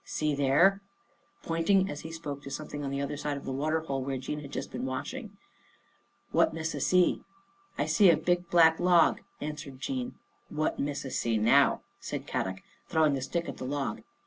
See there !" pointing as he spoke to something on the other side of the water hole where Jean had just been washing. " What Missa see?" 11 I see a big black log," answered Jean. "What Missa see now," said Kadok, throw ing a stick at the log.